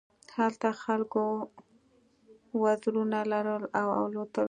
هلته خلکو وزرونه لرل او الوتل.